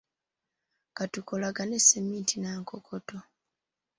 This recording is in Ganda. Katukolagane sseminti n'ankokoto.